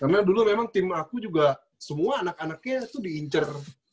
karena dulu memang tim aku juga semua anak anaknya tuh diincer